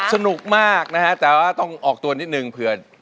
สนุกมากนะฮะแต่ว่าต้องออกตัวนิดนึงเผื่อ